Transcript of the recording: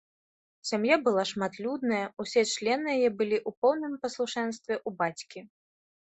Сям'я была шматлюдная, усе члены яе былі ў поўным паслушэнстве ў бацькі.